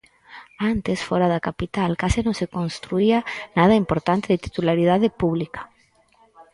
Antes, fóra da capital, case non se construía nada importante de titularidade pública.